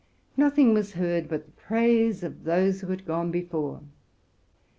Nothing was heard but the praise of those who had gone before.